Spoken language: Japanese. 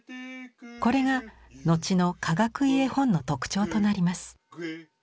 これが後のかがくい絵本の特徴となります。